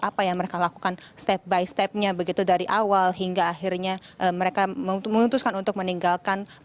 apa yang mereka lakukan step by stepnya begitu dari awal hingga akhirnya mereka memutuskan untuk meninggalkan